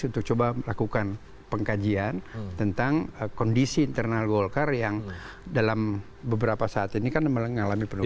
untuk coba melakukan pengkajian tentang kondisi internal golkar yang dalam beberapa saat ini kan mengalami penurunan